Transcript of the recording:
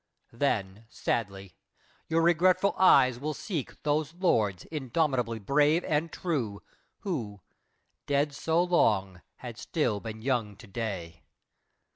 Then, sadly, your regretful eyes will seek Those lords indomitably brave and true, Who, dead so long, had still been young to day.